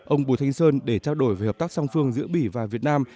ông bùi thanh sơn để trao đổi về hợp tác song phương giữa bỉ và việt nam